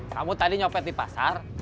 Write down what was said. kamu tadi nyopet di pasar